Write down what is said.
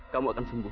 kamu akan sembuh